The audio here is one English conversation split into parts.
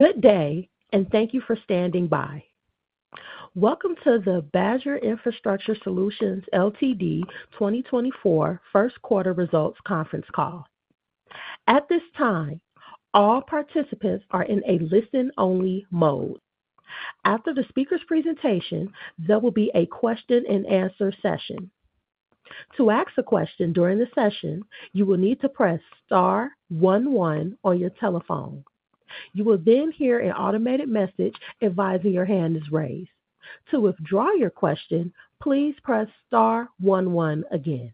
Good day, and thank you for standing by. Welcome to the Badger Infrastructure Solutions Ltd 2024 first quarter results conference call. At this time, all participants are in a listen-only mode. After the speaker's presentation, there will be a question-and-answer session. To ask a question during the session, you will need to press star one one on your telephone. You will then hear an automated message advising your hand is raised. To withdraw your question, please press star one one again.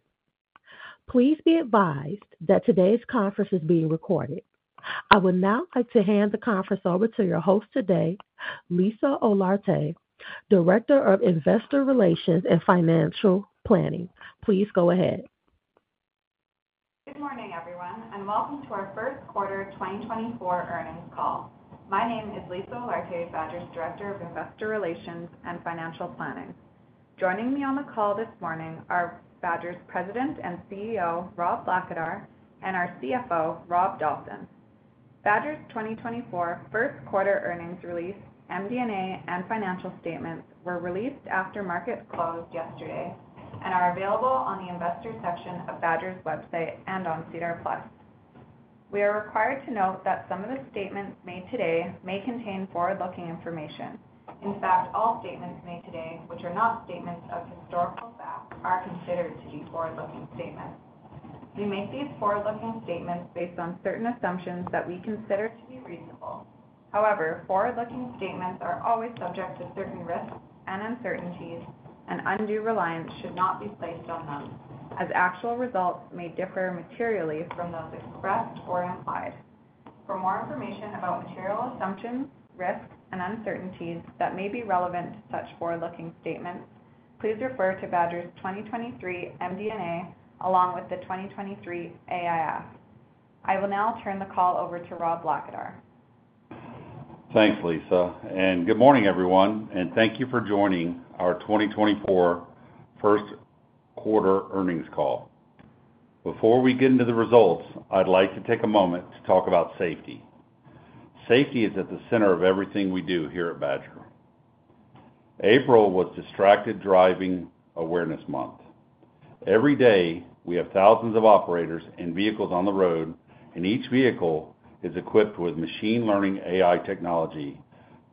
Please be advised that today's conference is being recorded. I would now like to hand the conference over to your host today, Lisa Olarte, Director of Investor Relations and Financial Planning. Please go ahead. Good morning, everyone, and welcome to our first quarter 2024 earnings call. My name is Lisa Olarte, Badger's Director of Investor Relations and Financial Planning. Joining me on the call this morning are Badger's President and CEO, Rob Blackadar, and our CFO, Rob Dawson. Badger's 2024 first quarter earnings release, MD&A, and financial statements were released after markets closed yesterday and are available on the investor section of Badger's website and on SEDAR+. We are required to note that some of the statements made today may contain forward-looking information. In fact, all statements made today which are not statements of historical fact are considered to be forward-looking statements. We make these forward-looking statements based on certain assumptions that we consider to be reasonable. However, forward-looking statements are always subject to certain risks and uncertainties, and undue reliance should not be placed on them, as actual results may differ materially from those expressed or implied. For more information about material assumptions, risks, and uncertainties that may be relevant to such forward-looking statements, please refer to Badger's 2023 MD&A along with the 2023 AIF. I will now turn the call over to Rob Blackadar. Thanks, Lisa. Good morning, everyone, and thank you for joining our 2024 first quarter earnings call. Before we get into the results, I'd like to take a moment to talk about safety. Safety is at the center of everything we do here at Badger. April was Distracted Driving Awareness Month. Every day, we have thousands of operators and vehicles on the road, and each vehicle is equipped with machine learning AI technology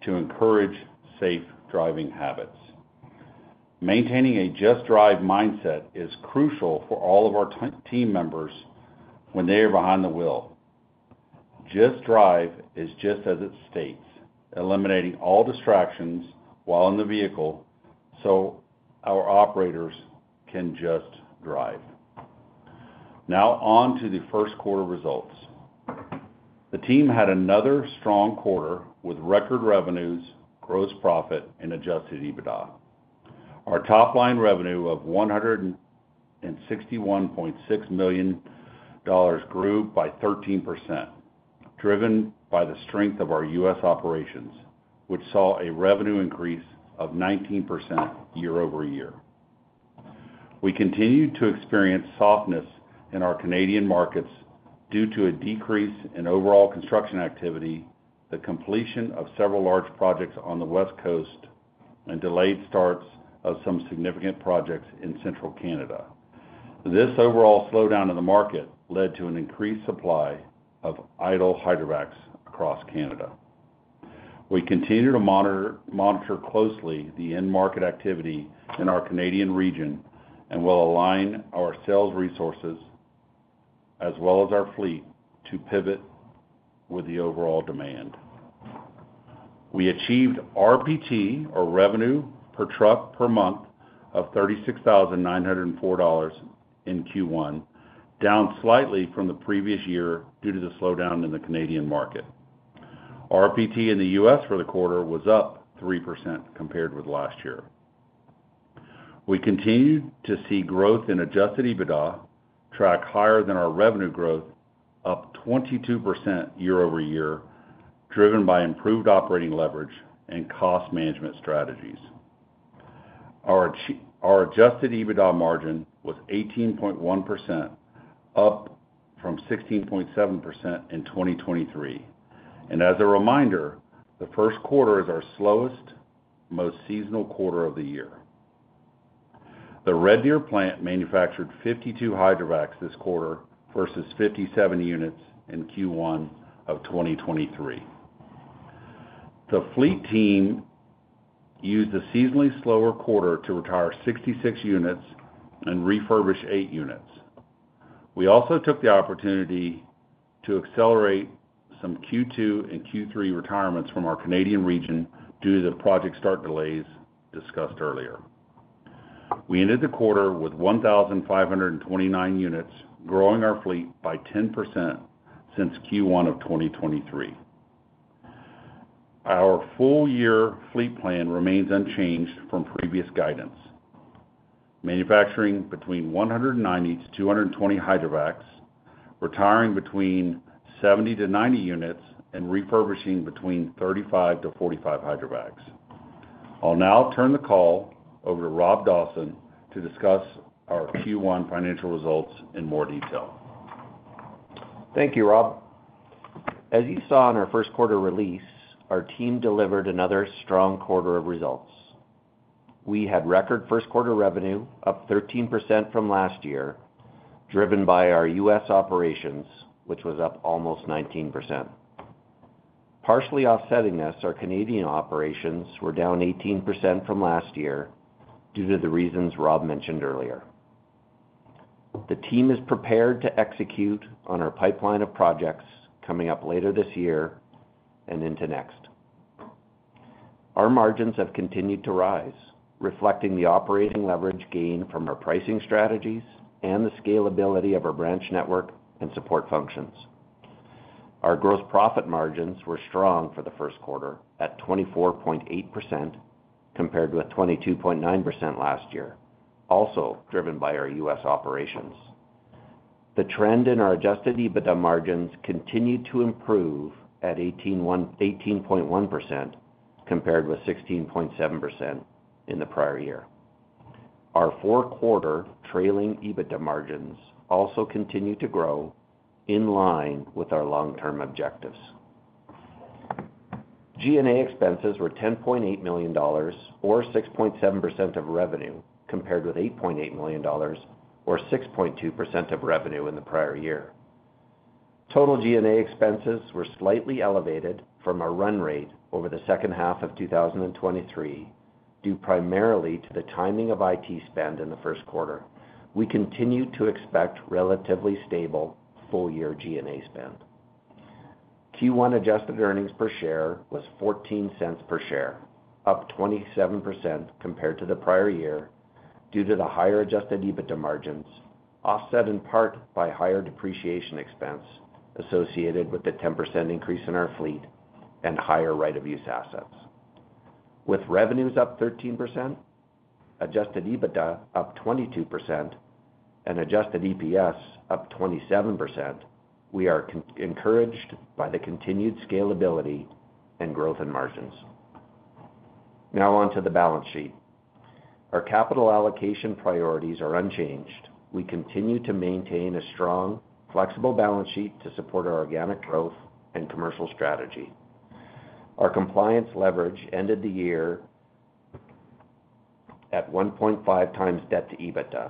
to encourage safe driving habits. Maintaining a Just Drive mindset is crucial for all of our team members when they are behind the wheel. Just Drive is just as it states, eliminating all distractions while in the vehicle so our operators can just drive. Now on to the first quarter results. The team had another strong quarter with record revenues, gross profit, and Adjusted EBITDA. Our top-line revenue of $161.6 million grew by 13%, driven by the strength of our U.S. operations, which saw a revenue increase of 19% year-over-year. We continue to experience softness in our Canadian markets due to a decrease in overall construction activity, the completion of several large projects on the West Coast, and delayed starts of some significant projects in Central Canada. This overall slowdown in the market led to an increased supply of idle hydrovacs across Canada. We continue to monitor closely the end-market activity in our Canadian region and will align our sales resources as well as our fleet to pivot with the overall demand. We achieved RPT, or revenue per truck per month, of $36,904 in Q1, down slightly from the previous year due to the slowdown in the Canadian market. RPT in the U.S. for the quarter was up 3% compared with last year. We continue to see growth in Adjusted EBITDA tracking higher than our revenue growth, up 22% year-over-year, driven by improved operating leverage and cost management strategies. Our Adjusted EBITDA margin was 18.1%, up from 16.7% in 2023. And as a reminder, the first quarter is our slowest, most seasonal quarter of the year. The Red Deer plant manufactured 52 hydrovacs this quarter versus 57 units in Q1 of 2023. The fleet team used a seasonally slower quarter to retire 66 units and refurbish eight units. We also took the opportunity to accelerate some Q2 and Q3 retirements from our Canadian region due to the project start delays discussed earlier. We ended the quarter with 1,529 units, growing our fleet by 10% since Q1 of 2023. Our full-year fleet plan remains unchanged from previous guidance: manufacturing between 190-220 hydrovacs, retiring between 70-90 units, and refurbishing between 35-45 hydrovacs. I'll now turn the call over to Rob Dawson to discuss our Q1 financial results in more detail. Thank you, Rob. As you saw in our first quarter release, our team delivered another strong quarter of results. We had record first quarter revenue, up 13% from last year, driven by our U.S. operations, which was up almost 19%. Partially offsetting this, our Canadian operations were down 18% from last year due to the reasons Rob mentioned earlier. The team is prepared to execute on our pipeline of projects coming up later this year and into next. Our margins have continued to rise, reflecting the operating leverage gain from our pricing strategies and the scalability of our branch network and support functions. Our gross profit margins were strong for the first quarter at 24.8% compared with 22.9% last year, also driven by our U.S. operations. The trend in our Adjusted EBITDA margins continued to improve at 18.1% compared with 16.7% in the prior year. Our four-quarter trailing EBITDA margins also continue to grow in line with our long-term objectives. G&A expenses were $10.8 million, or 6.7% of revenue, compared with $8.8 million, or 6.2% of revenue in the prior year. Total G&A expenses were slightly elevated from a run rate over the second half of 2023 due primarily to the timing of IT spend in the first quarter. We continue to expect relatively stable full-year G&A spend. Q1 adjusted earnings per share was $0.14 per share, up 27% compared to the prior year due to the higher adjusted EBITDA margins, offset in part by higher depreciation expense associated with the 10% increase in our fleet and higher right-of-use assets. With revenues up 13%, adjusted EBITDA up 22%, and adjusted EPS up 27%, we are encouraged by the continued scalability and growth in margins. Now on to the balance sheet. Our capital allocation priorities are unchanged. We continue to maintain a strong, flexible balance sheet to support our organic growth and commercial strategy. Our compliance leverage ended the year at 1.5x debt to EBITDA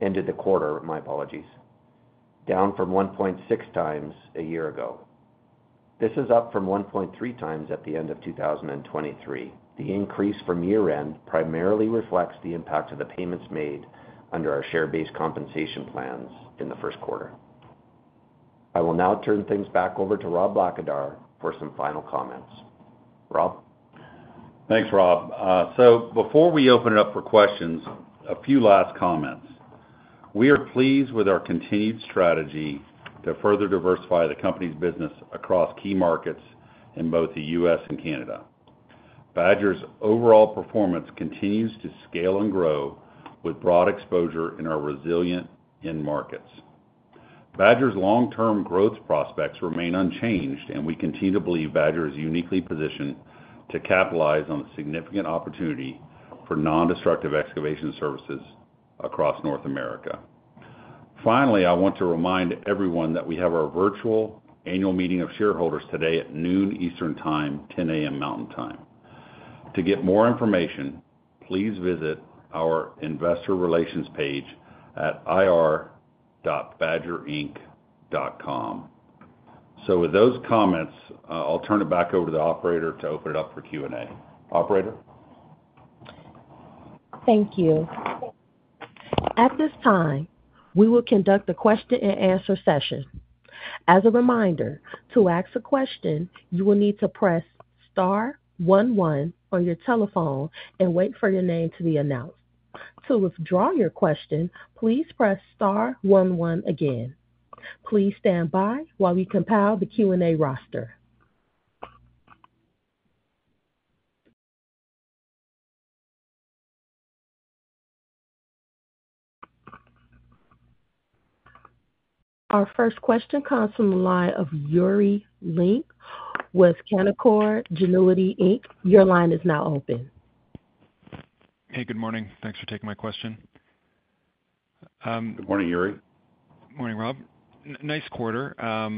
ended the quarter, my apologies, down from 1.6x a year ago. This is up from 1.3x at the end of 2023. The increase from year-end primarily reflects the impact of the payments made under our share-based compensation plans in the first quarter. I will now turn things back over to Rob Blackadar for some final comments. Rob? Thanks, Rob. So before we open it up for questions, a few last comments. We are pleased with our continued strategy to further diversify the company's business across key markets in both the U.S. and Canada. Badger's overall performance continues to scale and grow with broad exposure in our resilient end markets. Badger's long-term growth prospects remain unchanged, and we continue to believe Badger is uniquely positioned to capitalize on the significant opportunity for nondestructive excavation services across North America. Finally, I want to remind everyone that we have our virtual annual meeting of shareholders today at noon Eastern Time, 10:00 A.M. Mountain Time. To get more information, please visit our investor relations page at ir.badgerinc.com. So with those comments, I'll turn it back over to the operator to open it up for Q&A. Operator? Thank you. At this time, we will conduct a question-and-answer session. As a reminder, to ask a question, you will need to press star one one on your telephone and wait for your name to be announced. To withdraw your question, please press star one one again. Please stand by while we compile the Q&A roster. Our first question comes from the line of Yuri Lynk with Canaccord Genuity Corp. Your line is now open. Hey, good morning. Thanks for taking my question. Good morning, Yuri. Morning, Rob. Nice quarter. I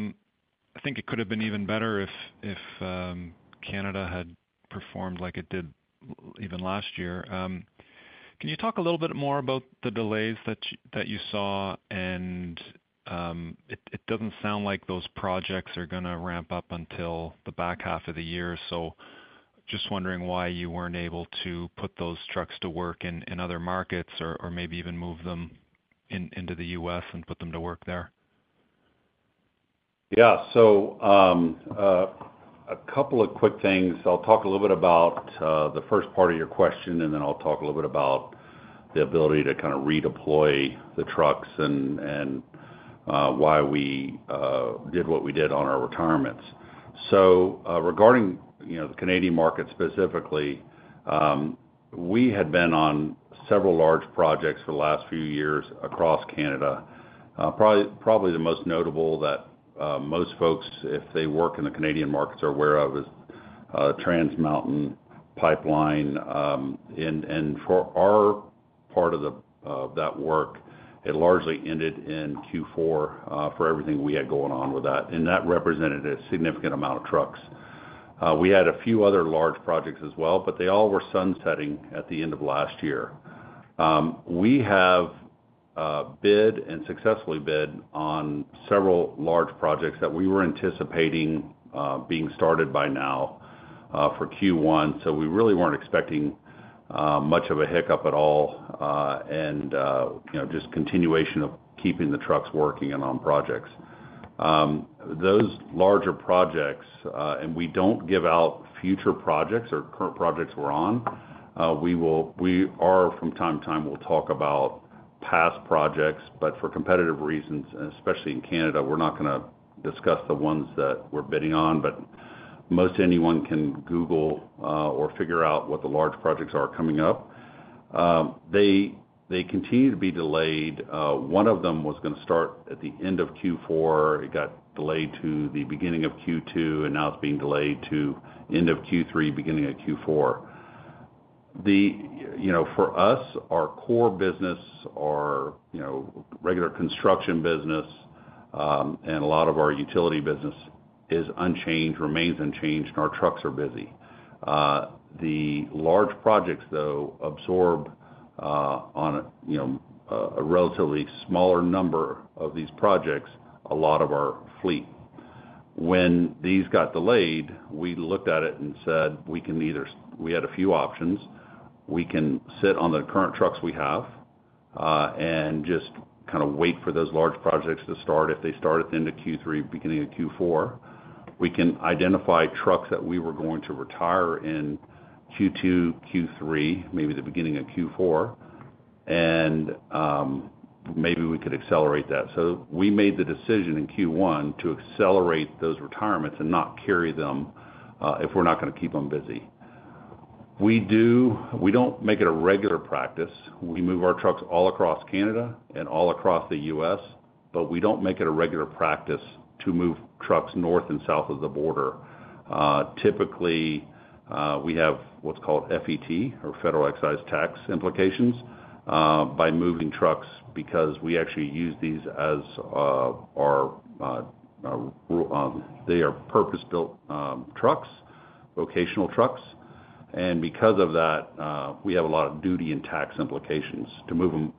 think it could have been even better if Canada had performed like it did even last year. Can you talk a little bit more about the delays that you saw? And it doesn't sound like those projects are going to ramp up until the back half of the year. So just wondering why you weren't able to put those trucks to work in other markets or maybe even move them into the U.S. and put them to work there. Yeah. So a couple of quick things. I'll talk a little bit about the first part of your question, and then I'll talk a little bit about the ability to kind of redeploy the trucks and why we did what we did on our retirements. So regarding the Canadian market specifically, we had been on several large projects for the last few years across Canada. Probably the most notable that most folks, if they work in the Canadian markets, are aware of is Trans Mountain Pipeline. And for our part of that work, it largely ended in Q4 for everything we had going on with that. And that represented a significant amount of trucks. We had a few other large projects as well, but they all were sunsetting at the end of last year. We have bid and successfully bid on several large projects that we were anticipating being started by now for Q1. So we really weren't expecting much of a hiccup at all and just continuation of keeping the trucks working and on projects. Those larger projects, and we don't give out future projects or current projects we're on, we are, from time to time, we'll talk about past projects. But for competitive reasons, especially in Canada, we're not going to discuss the ones that we're bidding on. But most anyone can Google or figure out what the large projects are coming up. They continue to be delayed. One of them was going to start at the end of Q4. It got delayed to the beginning of Q2, and now it's being delayed to end of Q3, beginning of Q4. For us, our core business, our regular construction business, and a lot of our utility business is unchanged, remains unchanged, and our trucks are busy. The large projects, though, absorb, on a relatively smaller number of these projects, a lot of our fleet. When these got delayed, we looked at it and said we can either—we had a few options—we can sit on the current trucks we have and just kind of wait for those large projects to start. If they start at the end of Q3, beginning of Q4, we can identify trucks that we were going to retire in Q2, Q3, maybe the beginning of Q4, and maybe we could accelerate that. So we made the decision in Q1 to accelerate those retirements and not carry them if we're not going to keep them busy. We don't make it a regular practice. We move our trucks all across Canada and all across the U.S., but we don't make it a regular practice to move trucks north and south of the border. Typically, we have what's called FET, or federal excise tax implications, by moving trucks because we actually use these as our-they are purpose-built trucks, vocational trucks. And because of that, we have a lot of duty and tax implications to move them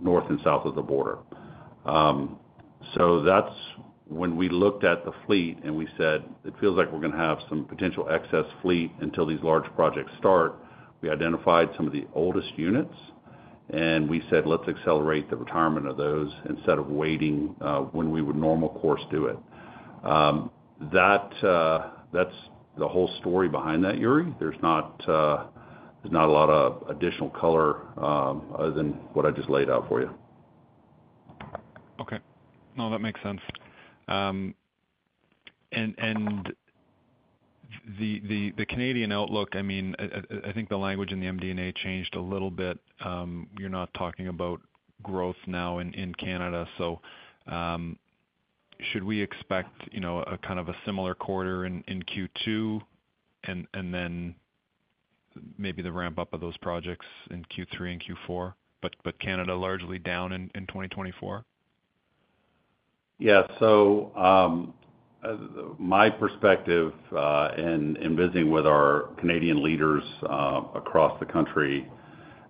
north and south of the border. So when we looked at the fleet and we said it feels like we're going to have some potential excess fleet until these large projects start, we identified some of the oldest units, and we said, "Let's accelerate the retirement of those instead of waiting when we would normal course do it." That's the whole story behind that, Yuri. There's not a lot of additional color other than what I just laid out for you. Okay. No, that makes sense. The Canadian outlook - I mean, I think the language in the MD&A changed a little bit. You're not talking about growth now in Canada. So should we expect a kind of a similar quarter in Q2 and then maybe the ramp-up of those projects in Q3 and Q4, but Canada largely down in 2024? Yeah. So my perspective in visiting with our Canadian leaders across the country,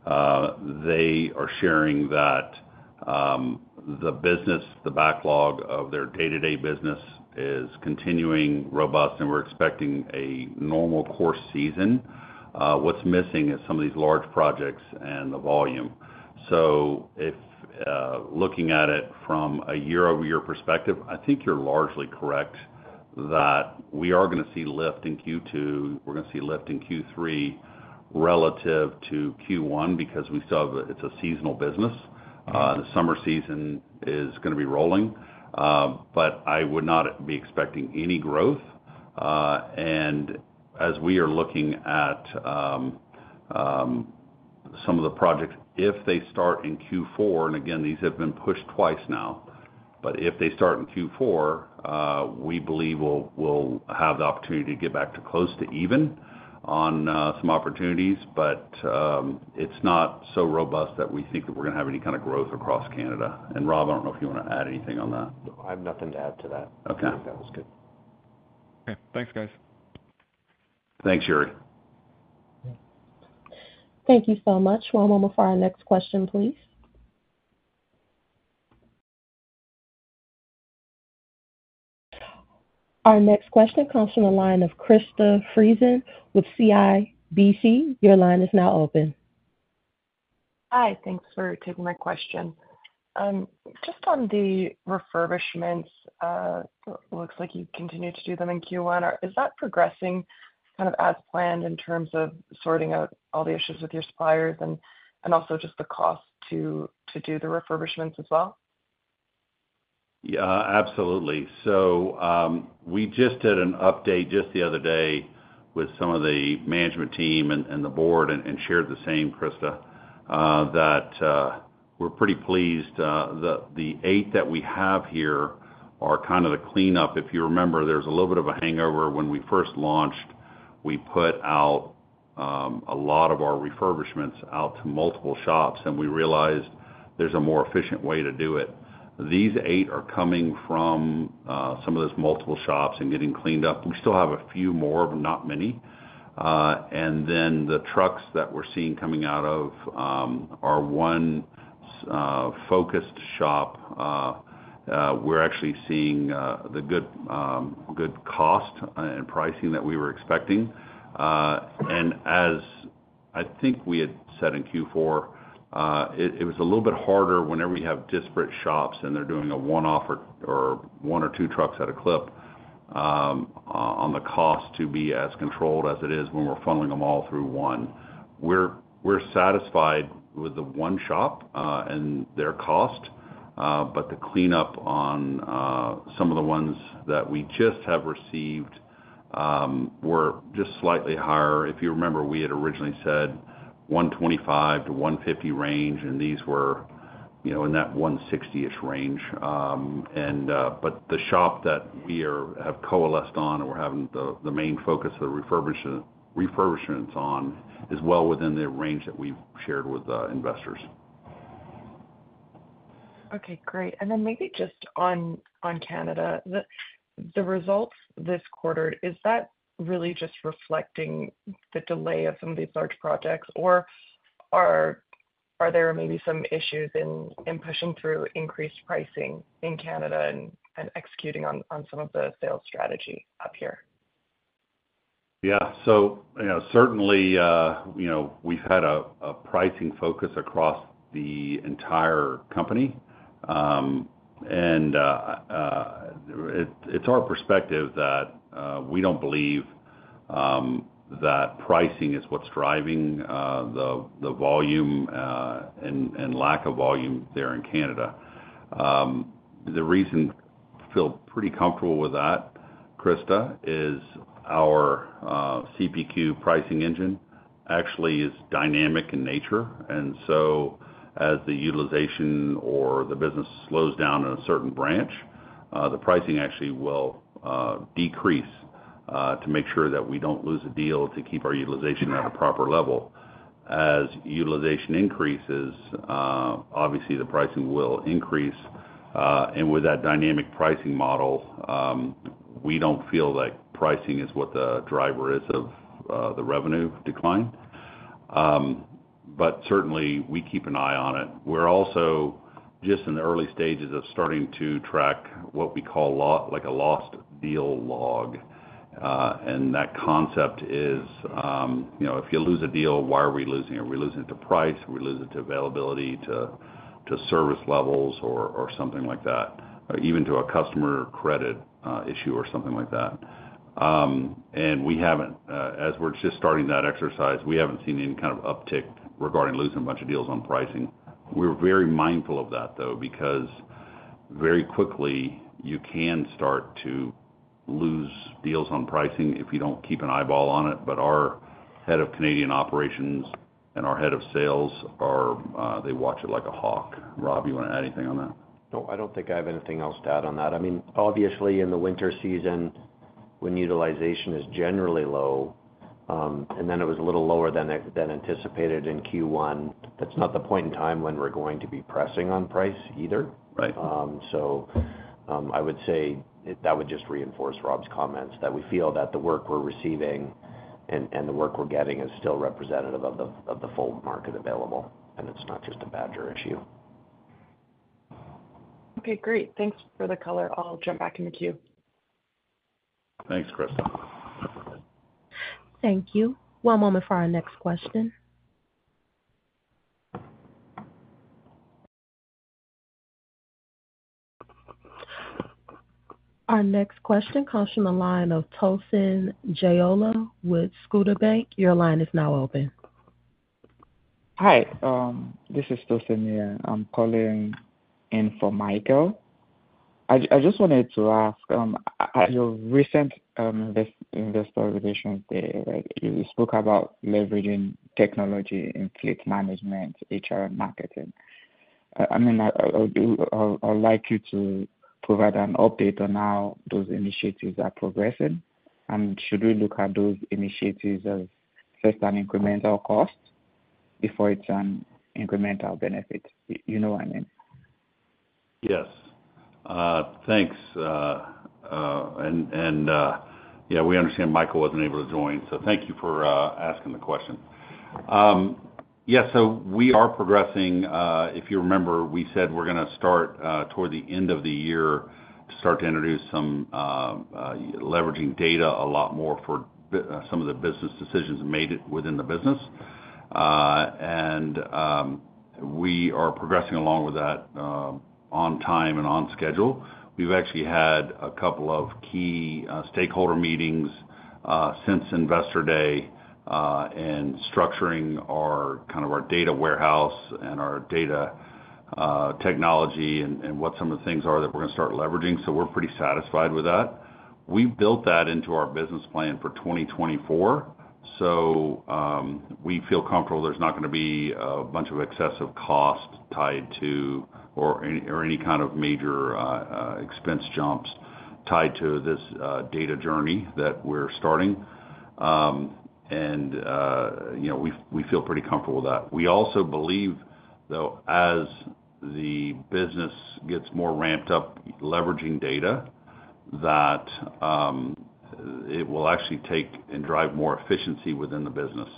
they are sharing that the business, the backlog of their day-to-day business, is continuing robust, and we're expecting a normal course season. What's missing is some of these large projects and the volume. So looking at it from a year-over-year perspective, I think you're largely correct that we are going to see lift in Q2. We're going to see lift in Q3 relative to Q1 because we still have a, it's a seasonal business. The summer season is going to be rolling. But I would not be expecting any growth. And as we are looking at some of the projects, if they start in Q4, and again, these have been pushed twice now, but if they start in Q4, we believe we'll have the opportunity to get back to close to even on some opportunities. It's not so robust that we think that we're going to have any kind of growth across Canada. Rob, I don't know if you want to add anything on that. I have nothing to add to that. I think that was good. Okay. Thanks, guys. Thanks, Yuri. Thank you so much. One moment for our next question, please. Our next question comes from the line of Krista Friesen with CIBC. Your line is now open. Hi. Thanks for taking my question. Just on the refurbishments, it looks like you continue to do them in Q1. Is that progressing kind of as planned in terms of sorting out all the issues with your suppliers and also just the cost to do the refurbishments as well? Yeah, absolutely. So we just did an update just the other day with some of the management team and the board and shared the same, Krista, that we're pretty pleased. The eight that we have here are kind of the cleanup. If you remember, there was a little bit of a hangover when we first launched. We put out a lot of our refurbishments out to multiple shops, and we realized there's a more efficient way to do it. These eight are coming from some of those multiple shops and getting cleaned up. We still have a few more of them, not many. And then the trucks that we're seeing coming out of our one focused shop, we're actually seeing the good cost and pricing that we were expecting. As I think we had said in Q4, it was a little bit harder whenever you have disparate shops and they're doing a one-off or one or two trucks at a clip on the cost to be as controlled as it is when we're funneling them all through one. We're satisfied with the one shop and their cost, but the cleanup on some of the ones that we just have received were just slightly higher. If you remember, we had originally said $125-$150 range, and these were in that $160-ish range. But the shop that we have coalesced on and we're having the main focus of the refurbishments on is well within the range that we've shared with investors. Okay. Great. And then maybe just on Canada, the results this quarter, is that really just reflecting the delay of some of these large projects, or are there maybe some issues in pushing through increased pricing in Canada and executing on some of the sales strategy up here? Yeah. Certainly, we've had a pricing focus across the entire company. It's our perspective that we don't believe that pricing is what's driving the volume and lack of volume there in Canada. The reason I feel pretty comfortable with that, Krista, is our CPQ pricing engine actually is dynamic in nature. As the utilization or the business slows down in a certain branch, the pricing actually will decrease to make sure that we don't lose a deal to keep our utilization at a proper level. As utilization increases, obviously, the pricing will increase. With that dynamic pricing model, we don't feel like pricing is what the driver is of the revenue decline. Certainly, we keep an eye on it. We're also just in the early stages of starting to track what we call a lost deal log. That concept is, if you lose a deal, why are we losing it? Are we losing it to price? Are we losing it to availability, to service levels, or something like that, even to a customer credit issue or something like that? As we're just starting that exercise, we haven't seen any kind of uptick regarding losing a bunch of deals on pricing. We're very mindful of that, though, because very quickly, you can start to lose deals on pricing if you don't keep an eyeball on it. Our head of Canadian operations and our head of sales. They watch it like a hawk. Rob, you want to add anything on that? No, I don't think I have anything else to add on that. I mean, obviously, in the winter season, when utilization is generally low and then it was a little lower than anticipated in Q1, that's not the point in time when we're going to be pressing on price either. So I would say that would just reinforce Rob's comments, that we feel that the work we're receiving and the work we're getting is still representative of the full market available, and it's not just a Badger issue. Okay. Great. Thanks for the color. I'll jump back in the queue. Thanks, Krista. Thank you. One moment for our next question. Our next question comes from the line of Tosin Jaiyeola with Scotiabank. Your line is now open. Hi. This is Tosin here. I'm calling in for Michael. I just wanted to ask, at your recent investor relations day, you spoke about leveraging technology in fleet management, HR, and marketing. I mean, I'd like you to provide an update on how those initiatives are progressing. And should we look at those initiatives as first an incremental cost before it's an incremental benefit? You know what I mean. Yes. Thanks. And yeah, we understand Michael wasn't able to join, so thank you for asking the question. Yeah. So we are progressing. If you remember, we said we're going to start toward the end of the year to start to introduce some leveraging data a lot more for some of the business decisions made within the business. And we are progressing along with that on time and on schedule. We've actually had a couple of key stakeholder meetings since Investor Day in structuring kind of our data warehouse and our data technology and what some of the things are that we're going to start leveraging. So we're pretty satisfied with that. We built that into our business plan for 2024, so we feel comfortable there's not going to be a bunch of excessive cost tied to or any kind of major expense jumps tied to this data journey that we're starting. We feel pretty comfortable with that. We also believe, though, as the business gets more ramped up leveraging data, that it will actually take and drive more efficiency within the business.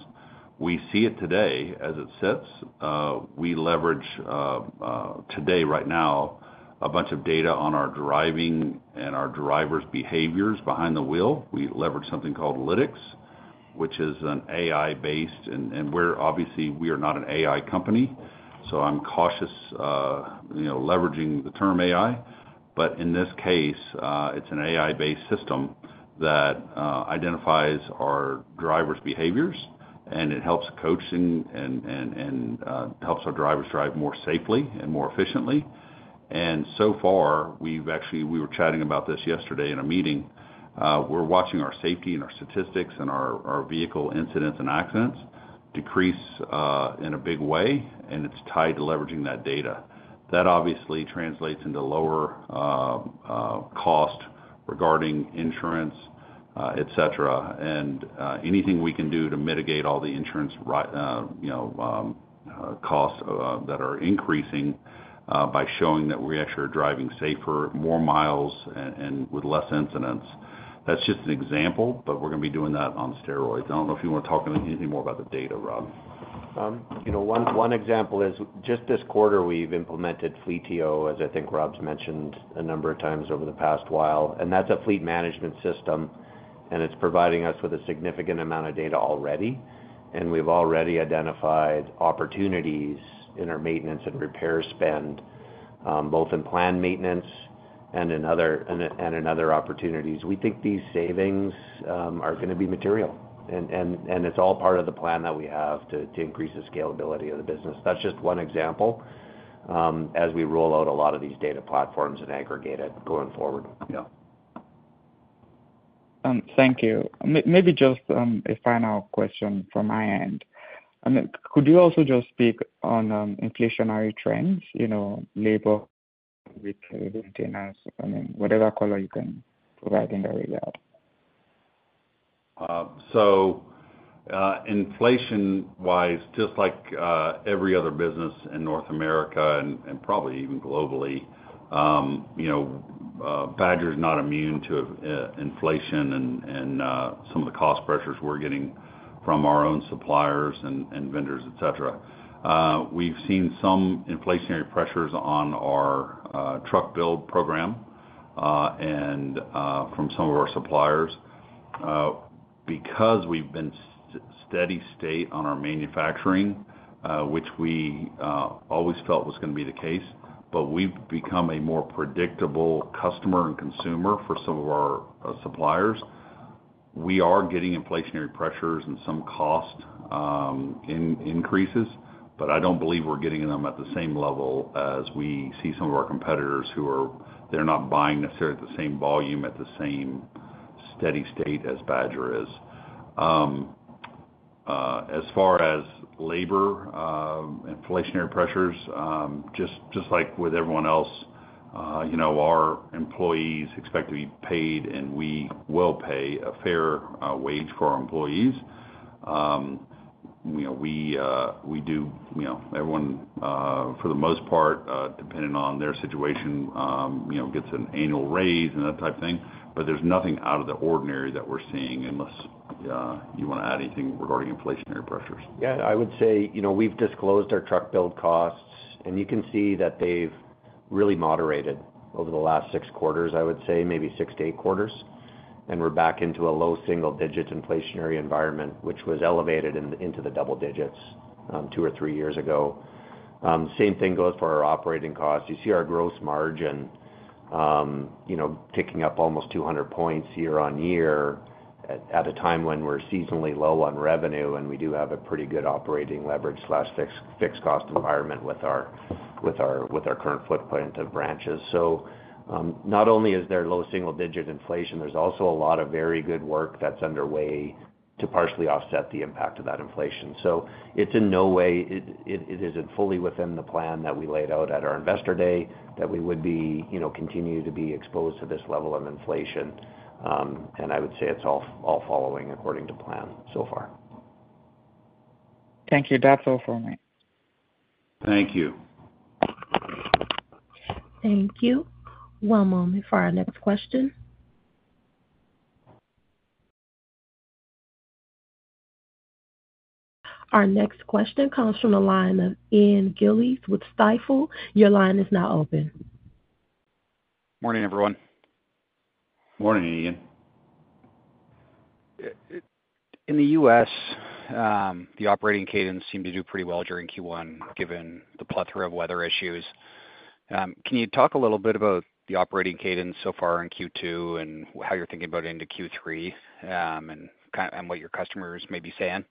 We see it today as it sits. We leverage today, right now, a bunch of data on our driving and our drivers' behaviors behind the wheel. We leverage something called Lytx, which is an AI-based and obviously, we are not an AI company, so I'm cautious leveraging the term AI. But in this case, it's an AI-based system that identifies our drivers' behaviors, and it helps coach and helps our drivers drive more safely and more efficiently. So far, we were chatting about this yesterday in a meeting. We're watching our safety and our statistics and our vehicle incidents and accidents decrease in a big way, and it's tied to leveraging that data. That obviously translates into lower cost regarding insurance, etc. And anything we can do to mitigate all the insurance costs that are increasing by showing that we actually are driving safer, more miles, and with less incidents. That's just an example, but we're going to be doing that on steroids. I don't know if you want to talk anything more about the data, Rob. One example is just this quarter, we've implemented Fleetio, as I think Rob's mentioned a number of times over the past while. That's a fleet management system, and it's providing us with a significant amount of data already. We've already identified opportunities in our maintenance and repair spend, both in planned maintenance and in other opportunities. We think these savings are going to be material, and it's all part of the plan that we have to increase the scalability of the business. That's just one example as we roll out a lot of these data platforms and aggregate it going forward. Yeah. Thank you. Maybe just a final question from my end. I mean, could you also just speak on inflationary trends, labor, maintenance? I mean, whatever color you can provide in that regard? So inflation-wise, just like every other business in North America and probably even globally, Badger is not immune to inflation and some of the cost pressures we're getting from our own suppliers and vendors, etc. We've seen some inflationary pressures on our truck build program and from some of our suppliers because we've been steady state on our manufacturing, which we always felt was going to be the case. But we've become a more predictable customer and consumer for some of our suppliers. We are getting inflationary pressures and some cost increases, but I don't believe we're getting them at the same level as we see some of our competitors who are, they're not buying necessarily at the same volume at the same steady state as Badger is. As far as labor inflationary pressures, just like with everyone else, our employees expect to be paid, and we will pay a fair wage for our employees. We do everyone, for the most part, depending on their situation, gets an annual raise and that type of thing. But there's nothing out of the ordinary that we're seeing unless you want to add anything regarding inflationary pressures. Yeah. I would say we've disclosed our truck build costs, and you can see that they've really moderated over the last six quarters, I would say, maybe six to eight quarters. We're back into a low single-digit inflationary environment, which was elevated into the double digits two or three years ago. Same thing goes for our operating costs. You see our gross margin ticking up almost 200 points year-over-year at a time when we're seasonally low on revenue, and we do have a pretty good operating leverage/fixed cost environment with our current footprint of branches. Not only is there low single-digit inflation, there's also a lot of very good work that's underway to partially offset the impact of that inflation. It's in no way it isn't fully within the plan that we laid out at our Investor Day that we would continue to be exposed to this level of inflation. I would say it's all following according to plan so far. Thank you. That's all for me. Thank you. Thank you. One moment for our next question. Our next question comes from the line of Ian Gillies with Stifel. Your line is now open. Morning, everyone. Morning, Ian. In the U.S., the operating cadence seemed to do pretty well during Q1 given the plethora of weather issues. Can you talk a little bit about the operating cadence so far in Q2 and how you're thinking about it into Q3 and what your customers may be saying?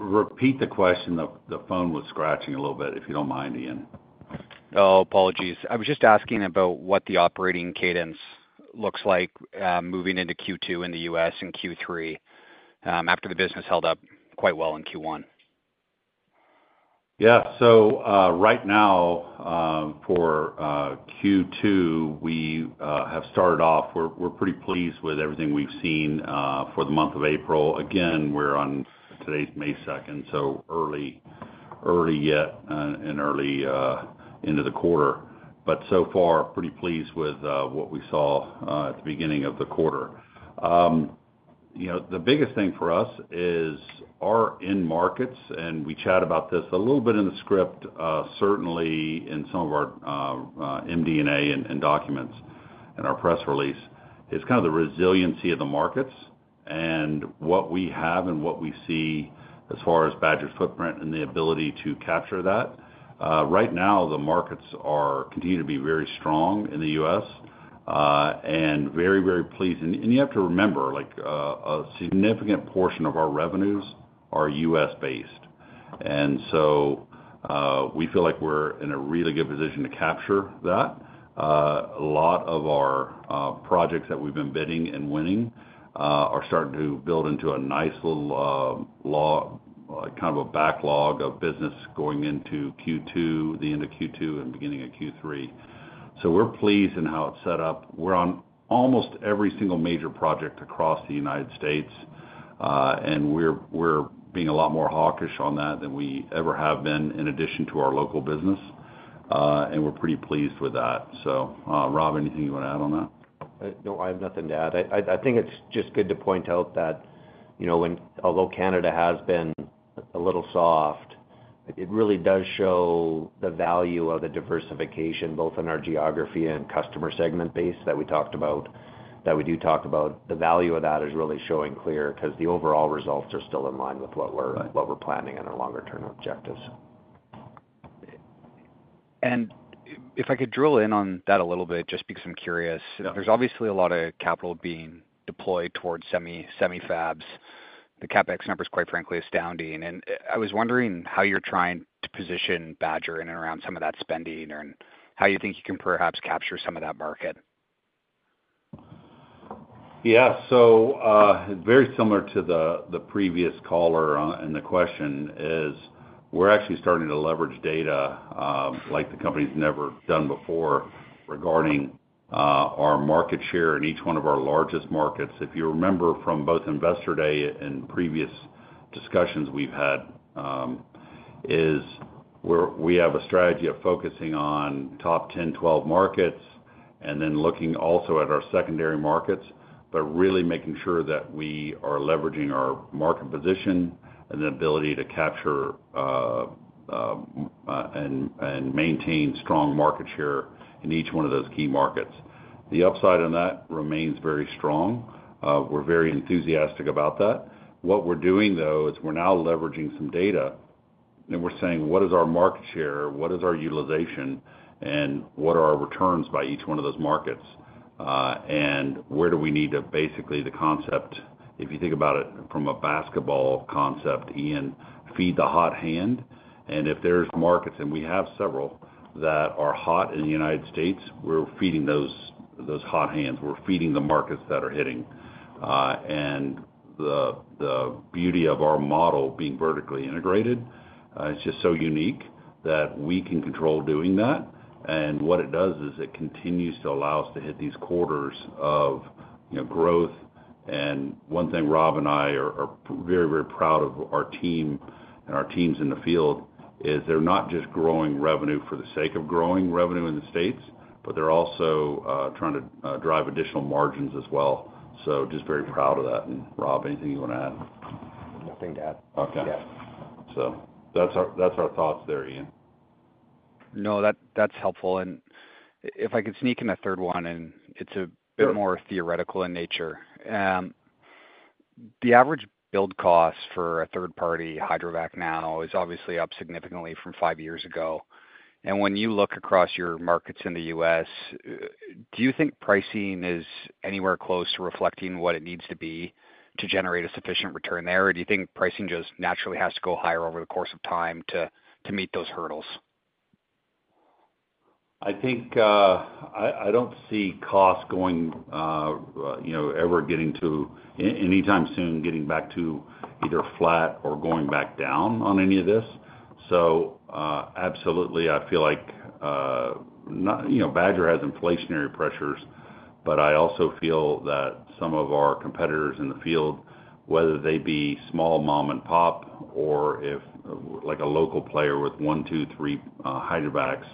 Repeat the question. The phone was scratching a little bit, if you don't mind, Ian. Oh, apologies. I was just asking about what the operating cadence looks like moving into Q2 in the U.S. and Q3 after the business held up quite well in Q1. Yeah. So right now, for Q2, we have started off, we're pretty pleased with everything we've seen for the month of April. Again, we're on today's May 2nd, so early yet and early into the quarter. But so far, pretty pleased with what we saw at the beginning of the quarter. The biggest thing for us is our in-markets, and we chat about this a little bit in the script, certainly in some of our MD&A and documents and our press release, is kind of the resiliency of the markets and what we have and what we see as far as Badger's footprint and the ability to capture that. Right now, the markets continue to be very strong in the U.S. and very, very pleased. And you have to remember, a significant portion of our revenues are U.S.-based. And so we feel like we're in a really good position to capture that. A lot of our projects that we've been bidding and winning are starting to build into a nice little kind of a backlog of business going into Q2, the end of Q2, and beginning of Q3. So we're pleased in how it's set up. We're on almost every single major project across the United States, and we're being a lot more hawkish on that than we ever have been in addition to our local business. And we're pretty pleased with that. So Rob, anything you want to add on that? No, I have nothing to add. I think it's just good to point out that although Canada has been a little soft, it really does show the value of the diversification, both in our geography and customer segment base that we talked about that we do talk about. The value of that is really showing clear because the overall results are still in line with what we're planning on our longer-term objectives. If I could drill in on that a little bit, just because I'm curious, there's obviously a lot of capital being deployed towards semi-fabs. The CapEx number is, quite frankly, astounding. I was wondering how you're trying to position Badger in and around some of that spending and how you think you can perhaps capture some of that market. Yeah. So very similar to the previous caller and the question is, we're actually starting to leverage data like the company's never done before regarding our market share in each one of our largest markets. If you remember from both Investor Day and previous discussions we've had, is we have a strategy of focusing on top 10, 12 markets and then looking also at our secondary markets, but really making sure that we are leveraging our market position and the ability to capture and maintain strong market share in each one of those key markets. The upside on that remains very strong. We're very enthusiastic about that. What we're doing, though, is we're now leveraging some data, and we're saying, "What is our market share? What is our utilization? And what are our returns by each one of those markets? And where do we need to basically the concept, if you think about it from a basketball concept, Ian, feed the hot hand? And if there's markets - and we have several - that are hot in the United States, we're feeding those hot hands. We're feeding the markets that are hitting. And the beauty of our model being vertically integrated, it's just so unique that we can control doing that. And what it does is it continues to allow us to hit these quarters of growth. And one thing Rob and I are very, very proud of our team and our teams in the field is they're not just growing revenue for the sake of growing revenue in the States, but they're also trying to drive additional margins as well. So just very proud of that. And Rob, anything you want to add? Nothing to add. Yeah. Okay. So that's our thoughts there, Ian. No, that's helpful. And if I could sneak in a third one, and it's a bit more theoretical in nature. The average build cost for a third-party hydrovac now is obviously up significantly from five years ago. And when you look across your markets in the U.S., do you think pricing is anywhere close to reflecting what it needs to be to generate a sufficient return there? Or do you think pricing just naturally has to go higher over the course of time to meet those hurdles? I don't see costs ever getting back to either flat or going back down on any of this anytime soon. So absolutely, I feel like Badger has inflationary pressures, but I also feel that some of our competitors in the field, whether they be small mom and pop or a local player with one, two, three hydrovacs,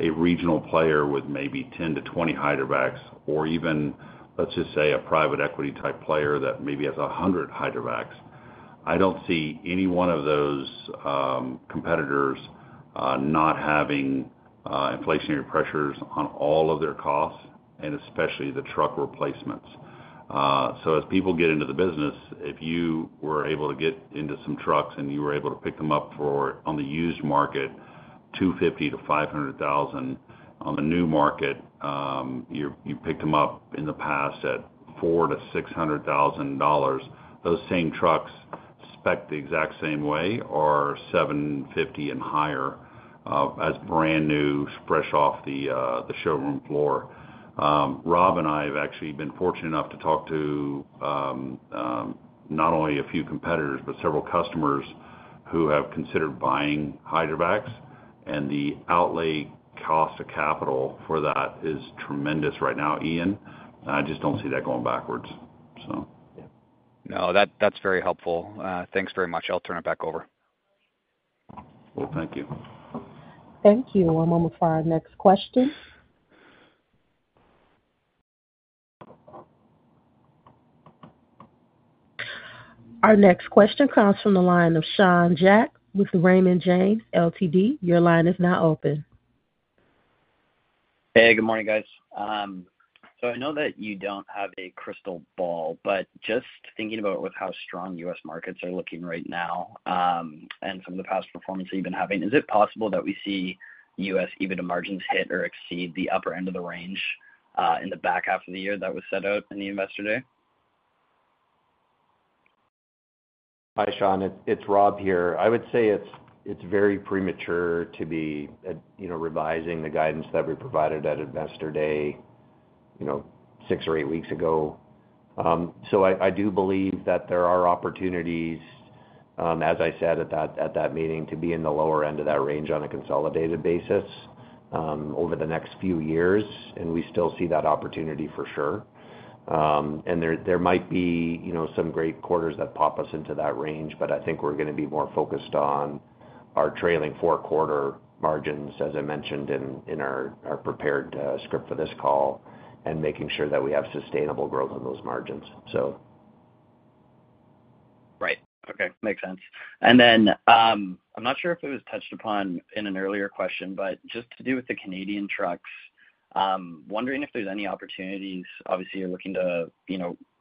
a regional player with maybe 10-20 hydrovacs, or even, let's just say, a private equity type player that maybe has 100 hydrovacs, I don't see any one of those competitors not having inflationary pressures on all of their costs, and especially the truck replacements. So as people get into the business, if you were able to get into some trucks and you were able to pick them up on the used market, $250,000-$500,000. On the new market, you picked them up in the past at $400,000-$600,000. Those same trucks spec the exact same way or $750,000 and higher as brand new, fresh off the showroom floor. Rob and I have actually been fortunate enough to talk to not only a few competitors, but several customers who have considered buying hydrovacs. And the outlay cost of capital for that is tremendous right now, Ian. I just don't see that going backwards, so. No, that's very helpful. Thanks very much. I'll turn it back over. Well, thank you. Thank you. One moment for our next question. Our next question comes from the line of Sean Jack with Raymond James Ltd. Your line is now open. Hey, good morning, guys. So I know that you don't have a crystal ball, but just thinking about with how strong U.S. markets are looking right now and some of the past performance that you've been having, is it possible that we see U.S. EBITDA margins hit or exceed the upper end of the range in the back half of the year that was set out in the Investor Day? Hi, Sean. It's Rob here. I would say it's very premature to be revising the guidance that we provided at Investor Day six or eight weeks ago. So I do believe that there are opportunities, as I said at that meeting, to be in the lower end of that range on a consolidated basis over the next few years. And we still see that opportunity for sure. And there might be some great quarters that pop us into that range, but I think we're going to be more focused on our trailing four-quarter margins, as I mentioned in our prepared script for this call, and making sure that we have sustainable growth on those margins, so. Right. Okay. Makes sense. And then I'm not sure if it was touched upon in an earlier question, but just to do with the Canadian trucks, wondering if there's any opportunities, obviously you're looking to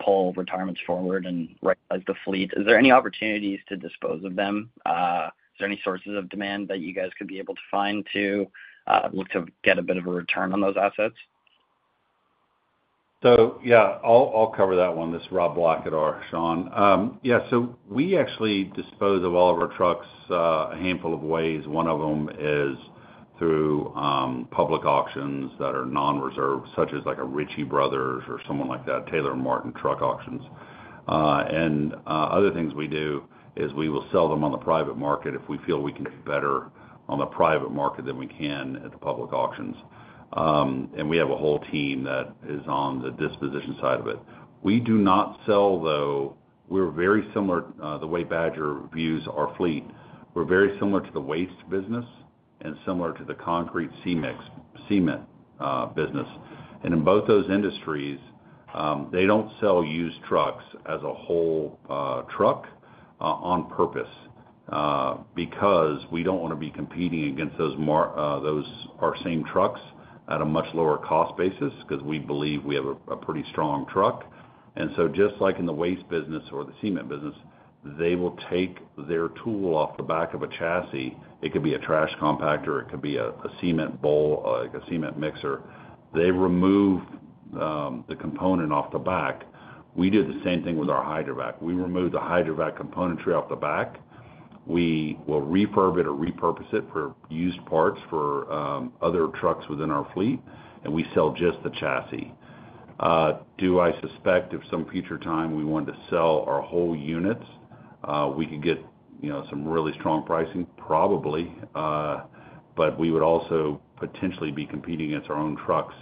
pull retirements forward and recognize the fleet. Is there any opportunities to dispose of them? Is there any sources of demand that you guys could be able to find to look to get a bit of a return on those assets? So yeah, I'll cover that one. This is Rob Blackadar, Sean. Yeah. So we actually dispose of all of our trucks a handful of ways. One of them is through public auctions that are non-reserved, such as Ritchie Bros. or someone like that, Taylor & Martin Truck Auctions. And other things we do is we will sell them on the private market if we feel we can get better on the private market than we can at the public auctions. And we have a whole team that is on the disposition side of it. We do not sell, though we're very similar the way Badger views our fleet. We're very similar to the waste business and similar to the concrete cement business. In both those industries, they don't sell used trucks as a whole truck on purpose because we don't want to be competing against those same trucks at a much lower cost basis because we believe we have a pretty strong truck. And so just like in the waste business or the cement business, they will take their tool off the back of a chassis. It could be a trash compactor. It could be a cement bowl, a cement mixer. They remove the component off the back. We do the same thing with our hydrovac. We remove the hydrovac componentry off the back. We will refurbish or repurpose it for used parts for other trucks within our fleet, and we sell just the chassis. Do I suspect if some future time we wanted to sell our whole units, we could get some really strong pricing? Probably. But we would also potentially be competing against our own trucks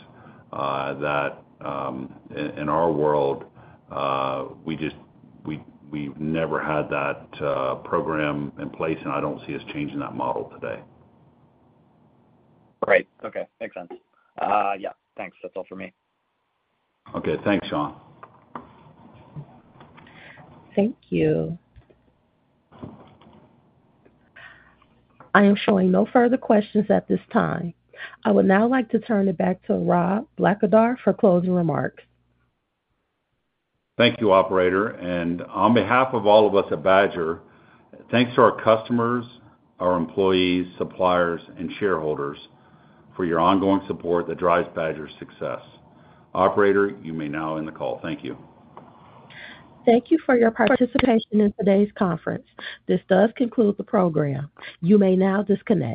that in our world, we've never had that program in place, and I don't see us changing that model today. Right. Okay. Makes sense. Yeah. Thanks. That's all for me. Okay. Thanks, Sean. Thank you. I am showing no further questions at this time. I would now like to turn it back to Rob Blackadar for closing remarks. Thank you, operator. On behalf of all of us at Badger, thanks to our customers, our employees, suppliers, and shareholders for your ongoing support that drives Badger's success. Operator, you may now end the call. Thank you. Thank you for your participation in today's conference. This does conclude the program. You may now disconnect.